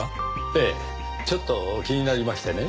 ええちょっと気になりましてね。